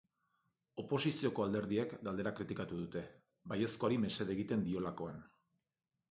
Oposizioko alderdiek galdera kritikatu dute, baiezkoari mesede egiten diolakoan.